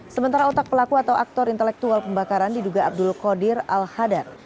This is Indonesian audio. sementara otak pelaku atau aktor intelektual pembakaran diduga abdul qadir al hadar